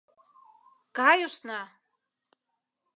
Кайышна!